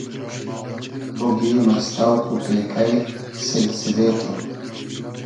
بوگیم از تۆق و پېکݷ سیلسیلې تو